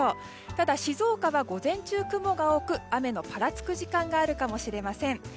ただ静岡は午前中、雲が多く雨のぱらつく時間があるかもしれません。